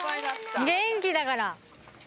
元気だから。